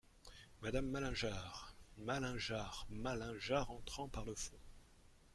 Madame Malingear, Malingear Malingear , entrant par le fond.